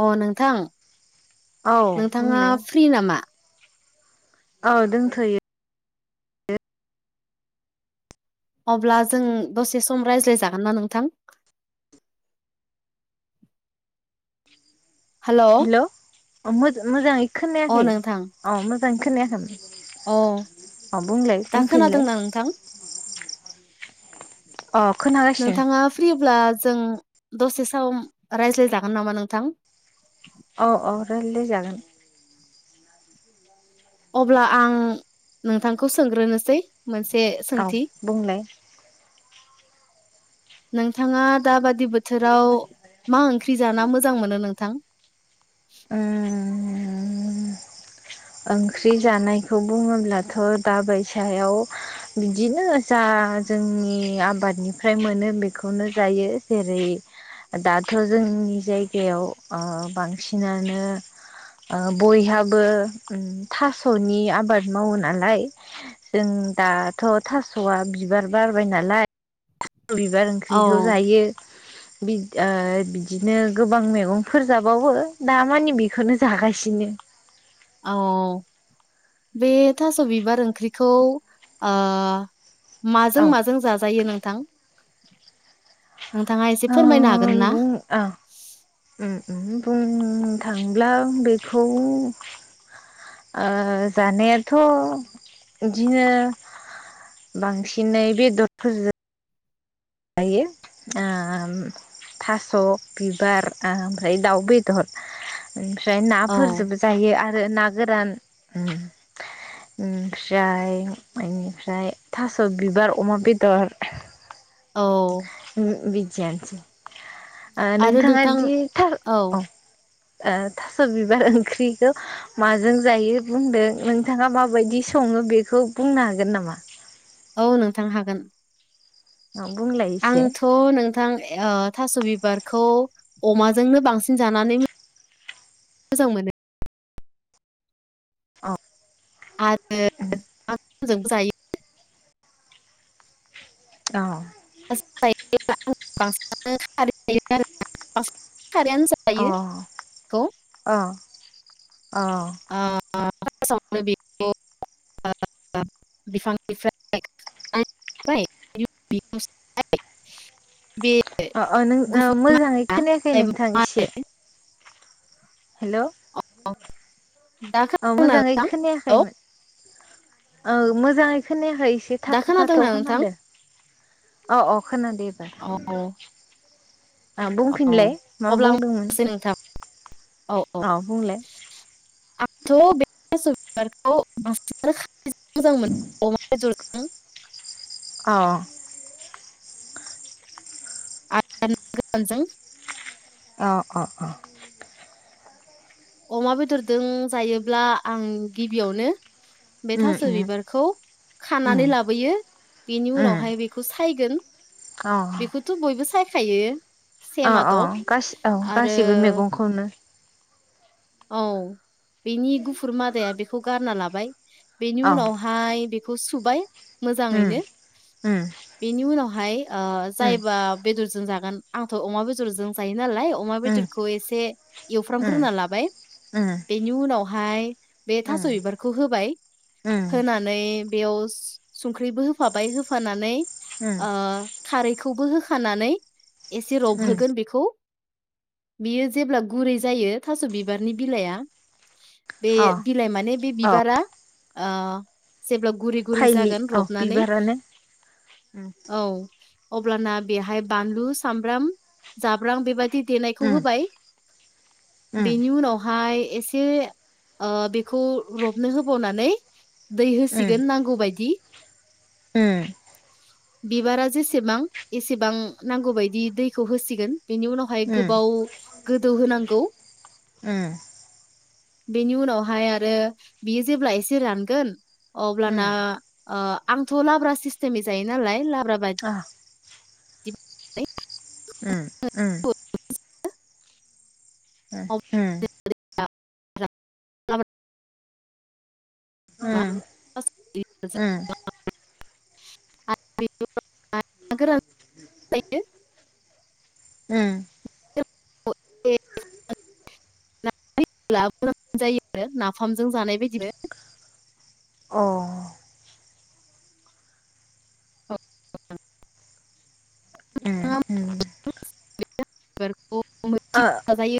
अ नोंथां औ नोंथाङा बुंलाय फ्रि नामा। औ दंथयो। अब्ला जों दसे सम रायज्लाय जागोन ना नोंथां। हेल'? अ मोज-मोजांङै अ खोनायाखै नोंथां अ मोजांङै खोनायाखैमोन। अ अ बुंलाय दा बुंफिनलाय। खोनादोंना नोंथां? अ खोनागासिनो। अब्ला जों दसे सम रायज्लायजागोन नामा नोंथां? अह अह रायलाय जागोन। अब्ला आं नोंथांखौ सोंग्रोनोसै। मोनसे औ सोंथि। बुंलाय नोंथाङा दाबा दि बोथोराव मा ओंख्रि जाना मोजां मोनो नोंथां? ओ ओंख्रि जानायखौ बुङोब्लाथ' दाबायसायाव बिदिनो जा जोंनि आबादनिफ्राय मोनो बेखौनो जायो। जेरै दाथ' जोंनि जायगायाव अ बांसिनानो ओ बयहाबो थास'नि आबाद मावो नालाय, जों दाथ' थास'आ बि बिबार बारबाय नालाय। बिबार ओंख्रिखौ औ जायो। [inaudible] बि ओ बिदिनो गोबां मैगंफोर जाबावो दा मानि बेखौनो जागासिनो। औ। बे थास' बिबार ओंख्रिखौ आ माजों औ माजों जाजायो नोंथां? नोंथाङा एसे फोरमायनो हागोन ना? [inaudible] बुंनो थांब्ला बेखौ जानायाथ' इदिनो बांसिनै बेदरफोरजों जायो आ थास' बिबार आ ओमफ्राय दाउ बेदर। ओमफ्राय औ नाफोरजोबो जायो आरो ना गोरान। ओमफ्राय बेनिफ्राय थास' बिबार अमा बेदर। औ। बिदियानोसै। ओ आरो नोंथाङा नोंथां दि थार औ अह। थास' बिबार ओंख्रिखौ माजों जायो बुंदों, नोंथाङा माबायदि सं संङो बेखौ बुंनो हागोन नामा? औ नोंथां हागोन। औ बुंलाय एसे आंथ' नोंथां एअ थास' बिबारखौ अमाजोंनो बांसिन जानानै मोजां मोनो। अह। आरो नाफोरजोंबो जायो। औ। [unintelligible] खारैयानो जायो बेखौ। अह। [unintelligible] बिफांनिफ्राय खानानै लाबाय बिनि अ अ नों उनाव मोजाङै खोनायाखै नोंथां सायबाय। एसे [unintelligible] हेल'? [inaudible] दा औ खोनादोंना मोजांङै नोंथां औ खोनायाखैमोन। औ मोजांङै खोनायाखै एसे दा थाथ थाथ खोनादोंना नोंथां खोनादों। औ औ खोनादोएबार औ औ अब्ला आं बुंदोंमोन बुंनोसै नोंथां औ औ अ बुंलाय आंथ' बे थास बिबारखौ मार जानो मोजां मोनो अमा बेदरजों [inaudible] औ आ गजों [unintelligible] औ अ अ अमा बेदरजों जायोब्ला आं गिबियावनो उम बेथास उम बिबारखौ उम खानानै लाबोयो बेनि उम उनावहाय बेखौ सायगोन अ बेखौथ बयबो सायखायो अ अ सेमादब गासि औ आरो गासिबो मैगंखौनो औ बेनि गुफुर मादाया बेखौ गारना लाबाय बेनि औ उनावहाय बेखौ सुबाय उम मोजाङैनो उम बेनि उनावहाय उम जायबा बेदरजों जागोन आंथ अमा बेदरजों जायो नालाय अमा अमा उम बेदरखौ एसे उम एवफ्रामग्रोनना लाबाय उम बेनि उनावहाय बे उम थास बिबारखौ होबाय उम होनानै बेयाव संख्रिबो होफाबाय होफानानै उम ओ खारै होखानानै एसे उम रबहोगोन बेखौ बियो जेब्ला गुरै जायो थास बिबार बिबारनि बिलाइया बे अ बिलाइ माने बे अ बिबार बिबारा ओ जेबो गुरि गुरि फाइलि जागोन औ रबनानै बिबारानो उम औ अब्लाना बेहाय बानलु सामब्राम जाब्रां बेबायदि देनायखौ उम होबाय उम बेनि उनावहाय एसे ओ बेखौ रबनो होबावनानै दै होसिगोन नांगौ बायदि ओ [inaudible] बिबारा जेसेबां एसेबां नांगौबायायदि दैखौ होसिगोन बेनि उनावहाय उम गोबाव गोदौ होनांगौ उम बेनि उनावहाय आरो बियो जेब्ला एसे रानगोन अब्लाना उम ओ आंथ लाब्रा सिस्टेमै जायो नालाय लाब्रा बादि [inaudible] अ [unintelligible] उम उम [unintelligible] उम [inaudible] ओम ओम [unintelligible] उम ए [unintelligible] नब्ला मोजां जायो आरो नाफामजों जानाय बायदिनो अ औ उम थि ओ जायो [unintelligible]